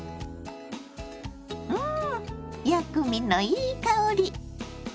ん薬味のいい香り！